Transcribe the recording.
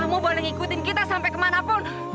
kamu boleh ikutin kita sampai kemana pun